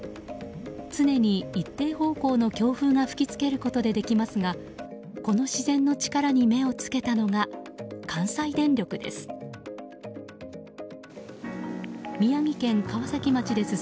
常に一定方向の強風が吹きつけることで起きますがこの自然の力に目を付けたのが関西電力です。